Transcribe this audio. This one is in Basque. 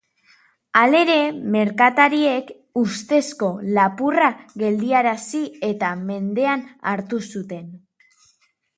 Halere, merkatariek ustezko lapurra geldiarazi eta mendean hartu zuten.